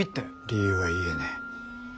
理由は言えねえ。